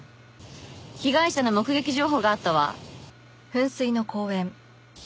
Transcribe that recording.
被害者の目撃情報があったわ。